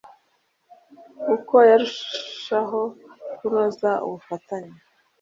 uko yarushaho kunoza ubufatanye